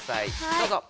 どうぞ。